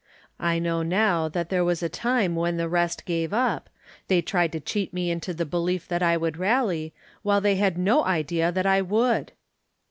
I know now that there was a time when the rest gave up they tried to cheat me into the belief that I would rally, while they had no idea that I would